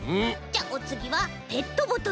じゃあおつぎはペットボトル。